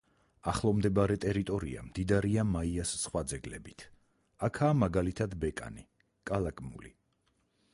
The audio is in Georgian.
ახლომდებარე ტერიტორია მდიდარია მაიას სხვა ძეგლებით, აქაა მაგალითად ბეკანი, კალაკმული.